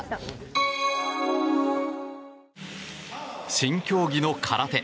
新競技の空手。